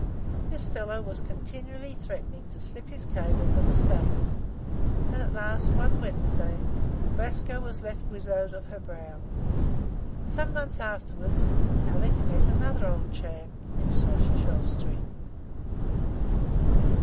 This fellow was continually threatening to slip his cable for the States, and at last, one Wednesday, Glasgow was left widowed of her Brown. Some months afterwards, Alick met another old chum in Sauchiehall Street.